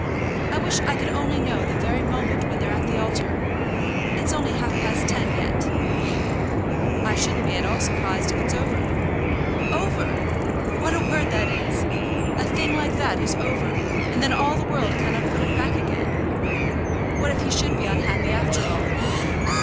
I wish I could know the very moment when they're at the altar. It's only half past ten yet." "I shouldn't be at all surprised if it's over." "Over! What a word that is! A thing like that is over, and then all the world cannot put it back again. What if he should be unhappy after all?"